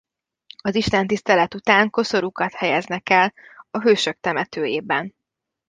Az istentisztelet után koszorúkat helyeznek el a hősök temetőjében.